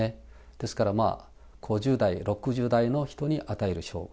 ですからまあ、５０代、６０代の人に与える称号。